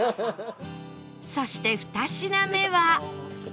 そして２品目は